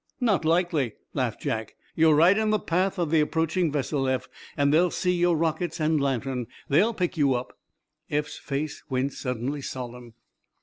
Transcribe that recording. "Not likely," laughed Jack. "You're right in the path of the approaching vessel, Eph, and they'll see your rockets and lantern. They'll pick you up." Eph's face went suddenly solemn.